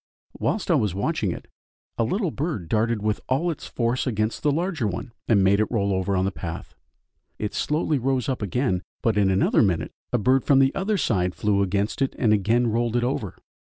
Whilst I was watching it, a little bird darted with all its force against the larger one, and made it roll over on the path; it slowly rose up again, but in another minute a bird from the other side flew against it and again rolled it over.